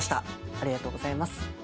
ありがとうございます。